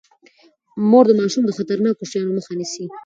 مور د ماشوم د خطرناکو شيانو مخه نيسي.